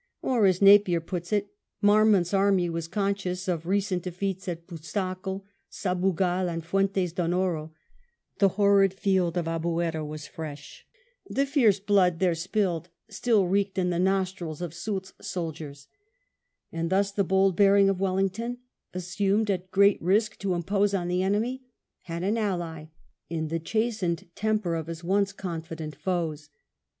Or, as Napier puts it, "Marmont's army was conscious of recent defeats at Busaco, Sabugal, and Fuentes d'Onoro ; the horrid field of Albuera was VII FA CES SOUL T AND MARMONT 1 53 fresh, the fierce blood there spilled still reeked in the nostrils of Soult's soldiers;" and thus the bold bearing of Wellington, assumed at great risk to impose on the enemy, had an ally in the chastened temper of his once confident foes.